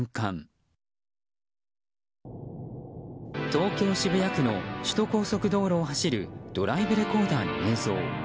東京・渋谷区の首都高速道路を走るドライブレコーダーの映像。